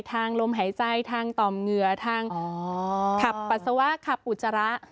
ลมหายใจทางต่อมเหงื่อทางขับปัสสาวะขับอุจจาระ